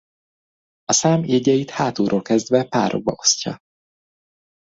A szám jegyeit hátulról kezdve párokba osztja.